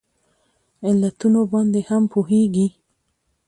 علتونو باندې هم پوهیږي